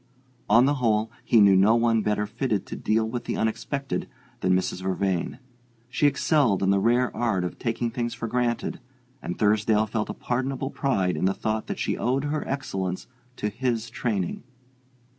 On the whole, he knew no one better fitted to deal with the unexpected than Mrs. Vervain. She excelled in the rare art of taking things for granted, and Thursdale felt a pardonable pride in the thought that she owed her excellence to his training.